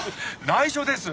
内緒です。